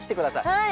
はい。